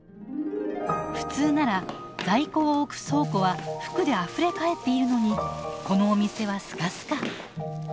普通なら在庫を置く倉庫は服であふれ返っているのにこのお店はスカスカ。